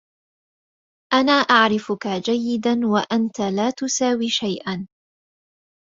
أنا أعرفك جيدا و أنت لا تساوي شيئا.